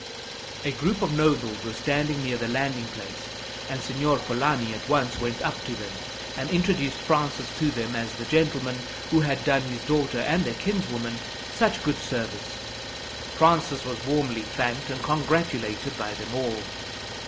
A group of nobles were standing near the landing place, and Signor Polani at once went up to them, and introduced Francis to them as the gentleman who had done his daughter and their kinswoman such good service. Francis was warmly thanked and congratulated by them all.